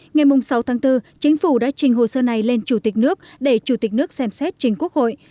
ngày sáu tháng bốn chính phủ đã trình hồ sơ này lên chủ tịch nước để chủ tịch nước xem xét trình quốc hội